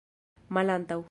malantaŭ